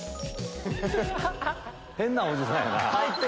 変なおじさんやな。